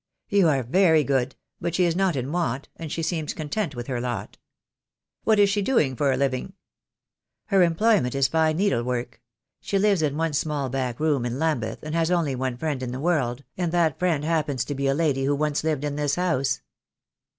"You are very good; but she is not in want, and she seems content with her lot." "What is she doing for a living?" "Her employment is fine needlework. She lives in one small back room in Lambeth, and has only one friend in the world, and that friend happens to be a lady who once lived in this house."